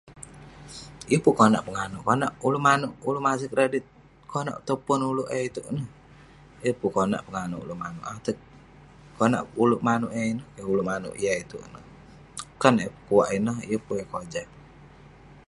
Yeng pun konak penganuk konak oluek manuek oleuk masek kredit konak tong pon oleuk eh ituek ineh yeng pun konak penganuk atek konak oleuk ineh keh ineh